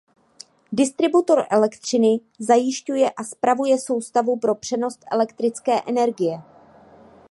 Distributor elektřiny zajišťuje a spravuje soustavu pro přenos elektrické energie.